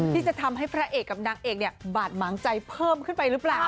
ที่จะทำให้พระเอกกับนางเอกเนี่ยบาดหมางใจเพิ่มขึ้นไปหรือเปล่า